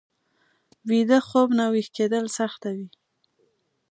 ویده خوب نه ويښ کېدل سخته وي